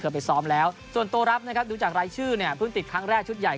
ไปซ้อมแล้วส่วนตัวรับนะครับดูจากรายชื่อเนี่ยเพิ่งติดครั้งแรกชุดใหญ่